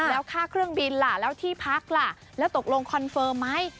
แล้วค่าเครื่องบินล่ะแล้วที่พักล่ะแล้วตกลงคอนเฟิร์มไหม